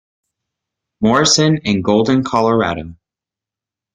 Morrison in Golden, Colorado.